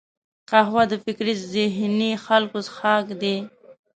قهوه د فکري ذهیني خلکو څښاک دی